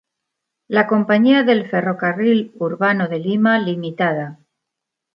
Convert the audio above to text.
La "Compañía del Ferrocarril Urbano de Lima Ltda.